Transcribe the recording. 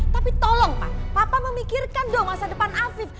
tapi tolong pak papa memikirkan dong masa depan afif